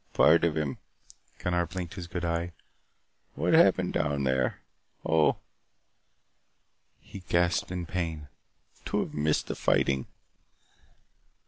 "Part of him." Gunnar blinked his good eye. "What happened down there? Oh," he gasped in pain, "to have missed the fighting!"